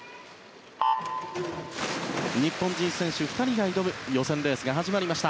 日本人選手２人が挑む予選レースが始まりました。